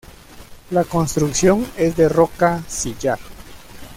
La construcción es de roca sillar.